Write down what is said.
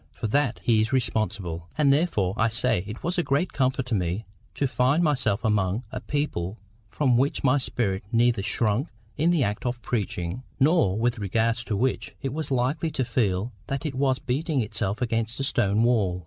For that he is responsible. And therefore, I say, it was a great comfort to me to find myself amongst a people from which my spirit neither shrunk in the act of preaching, nor with regard to which it was likely to feel that it was beating itself against a stone wall.